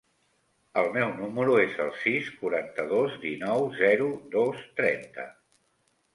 El meu número es el sis, quaranta-dos, dinou, zero, dos, trenta.